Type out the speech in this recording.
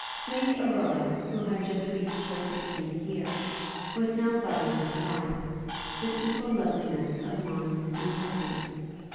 Lady Aurora, who had just reached her sixteenth year, was now budding into life, with equal loveliness of mind and person.